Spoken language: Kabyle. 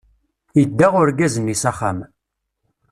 Idda urgaz-nni s axxam.